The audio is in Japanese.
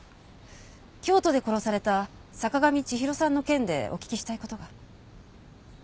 京都で殺された坂上千尋さんの件でお聞きしたい事が。